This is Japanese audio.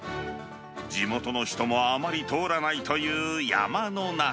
地元の人もあまり通らないという山の中。